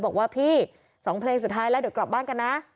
บอกว่าพี่๒เพลงสุดท้ายแล้วเดี๋ยวกลับบ้านกันนะ